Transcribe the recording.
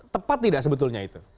tepat tidak sebetulnya itu